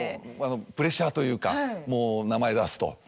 プレッシャーというかもう名前出すと。